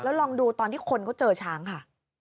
แล้วลองดูตอนที่คนก็เจอช้างค่ะ